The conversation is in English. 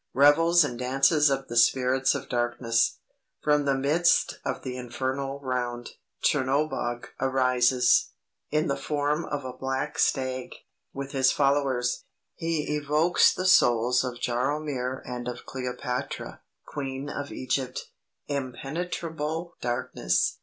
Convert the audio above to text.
Revels and dances of the spirits of darkness. From the midst of the infernal round, Chernobog arises, in the form of a black stag, with his followers. He evokes the souls of Jaromir and of Cleopatra, Queen of Egypt. Impenetrable darkness.